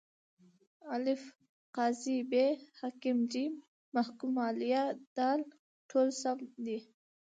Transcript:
الف: قاضي ب: حاکم ج: محکوم علیه د: ټوله سم دي.